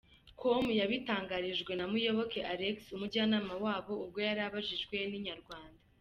com yabitangarijwe na Muyoboke Alex umujyanama wabo ubwo yari abajijwe na Inyarwanda.